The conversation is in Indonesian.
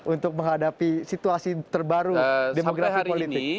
untuk menghadapi situasi terbaru demokrasi politik